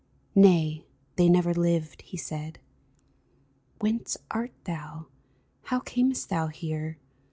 '' Nay, they never lived," he said ;" Whence art thou ? How earnest thou here